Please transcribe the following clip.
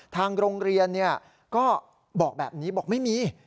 ทางโรงเรียนก็บอกแบบนี้บอกไม่มี